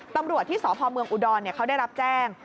ตำรวจที่สพเมืองอุดรเขาได้รับแจ้ง